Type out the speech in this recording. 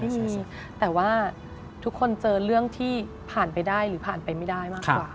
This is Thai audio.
ไม่มีแต่ว่าทุกคนเจอเรื่องที่ผ่านไปได้หรือผ่านไปไม่ได้มากกว่า